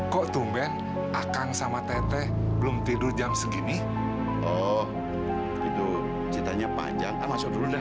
kok tumben akan sama tete belum tidur jam segini oh itu ceritanya panjang masuk dulu